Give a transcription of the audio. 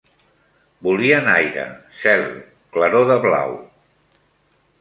Volien aire, cel, claror de blau